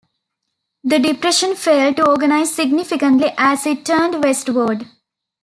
The depression failed to organize significantly as it turned westward.